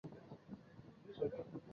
县政府驻龙城镇。